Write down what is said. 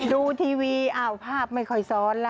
ดูทีวีภาพไม่ค่อยซ้อนละ